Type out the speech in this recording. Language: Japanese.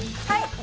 はい！